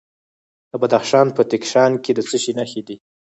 د بدخشان په تیشکان کې د څه شي نښې دي؟